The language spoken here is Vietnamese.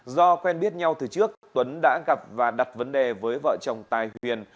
do quen biết nhau từ trước tuấn đã gặp và đặt vấn đề với vợ chồng tài huyền